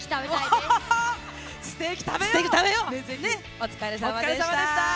お疲れさまでした。